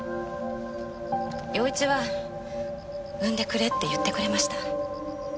陽一は「産んでくれ」って言ってくれました。